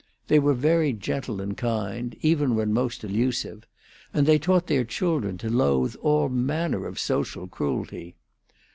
They were very gentle and kind, even when most elusive; and they taught their children to loathe all manner of social cruelty.